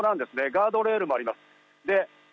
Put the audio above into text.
ガードレールもあります。